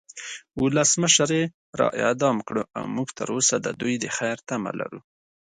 ولسمشر یی را اعدام کړو او مونږ تروسه د دوی د خیر تمه لرو